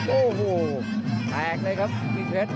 โอ้โหแตกเลยครับพี่เพชร